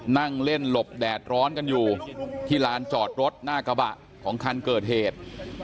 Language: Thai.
นั่งเล่นหลบแดดร้อนกันอยู่ที่ลานจอดรถหน้ากระบะของคันเกิดเหตุ